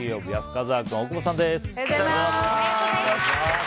木曜日は深澤君、大久保さんです。